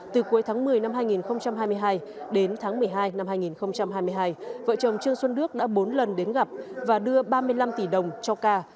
từ cuối tháng một mươi năm hai nghìn hai mươi hai đến tháng một mươi hai năm hai nghìn hai mươi hai vợ chồng trương xuân đức đã bốn lần đến gặp và đưa ba mươi năm tỷ đồng cho ca